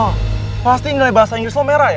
oh pasti nilai bahasa inggris lo merah ya